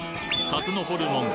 かづのホルモン